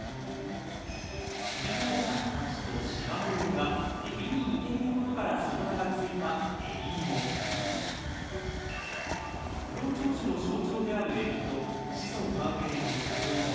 反り返った形としま模様が海老に似ていることからその名が付いた不老長寿の象徴である海老と子孫繁栄のサトイモ。